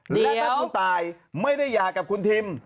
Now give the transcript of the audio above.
และถ้าคุณตายไม่ได้หย่ากับคุณทิม